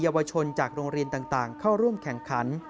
เยาวชนจากโรงเรียนต่างเข้าร่วมแข่งขัน